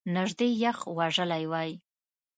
نژدې یخ وژلی وای !